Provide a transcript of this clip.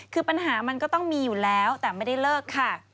คือปัญหามันก็ต้องมีอยู่แล้วแต่ไม่ได้เลิกค่ะ